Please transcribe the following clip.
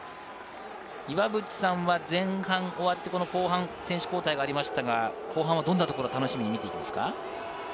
岩渕さんは前半終わってこの後半、選手交代がありましたが、どんなところを楽しみに見ていきますか？